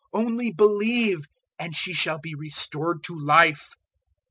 Only believe, and she shall be restored to life."